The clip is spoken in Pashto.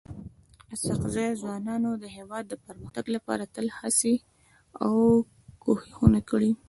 اسحق زي ځوانانو د هيواد د پرمختګ لپاره تل هڅي او کوښښونه کړي.